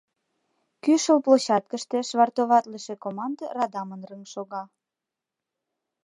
Кӱшыл площадкыште швартоватлыше команде радамын рыҥ шога.